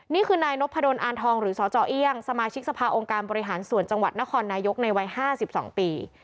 นี่คือนายนพดลอานทองหรือสจเอี่ยงสมาชิกสภาองค์การบริหารส่วนจังหวัดนครนายกในวัย๕๒ปี